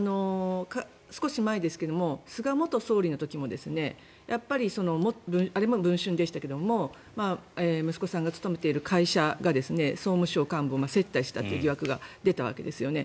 少し前ですけど菅元総理の時もあれも「文春」でしたけど息子さんが勤めている会社が総務省幹部を接待したという疑惑が出たわけですよね。